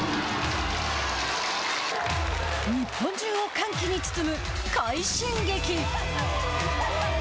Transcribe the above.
日本中を歓喜に包む快進撃。